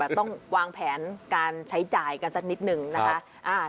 ต้องวางแผนการใช้จ่ายกันสักนิดนึงนะคะ